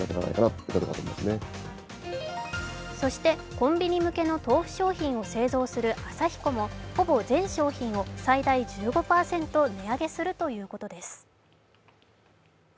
コンビニ向けの豆腐商品を製造するアサヒコもほぼ全商品を最大１５％値上げするということです。